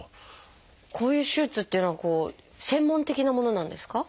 こういう手術っていうのは専門的なものなんですか？